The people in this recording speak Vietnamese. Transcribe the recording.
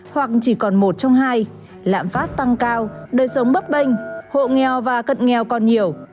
hoặc chỉ còn một trong hai lạm phát tăng cao đời sống bấp bênh hộ nghèo và cận nghèo còn nhiều